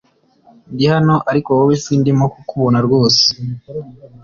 Ndi hano ariko wowe sindimo ndakubona rwose .